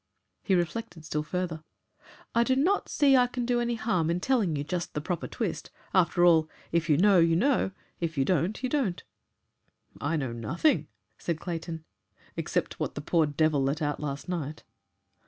He reflected still further. "I do not see I can do any harm in telling you just the proper twist. After all, if you know, you know; if you don't, you don't." "I know nothing," said Clayton, "except what the poor devil let out last night."